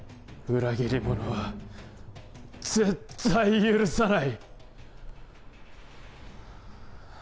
裏切り者は許さない。